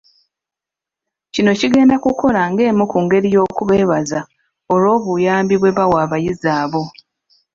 Kino kigenda kukola ng'emu ku ngeri y'okubeebaza olw'obuyambi bwe bawa abayizi abo.